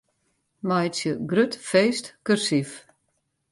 Meitsje 'grut feest' kursyf.